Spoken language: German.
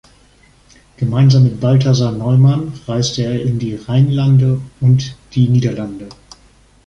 Gemeinsam mit Balthasar Neumann reiste er in die Rheinlande und die Niederlande.